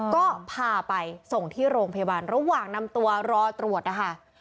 ก็พาไปส่งที่โรงพยาบาลระหว่างนำตัวรอตรวจนะคะ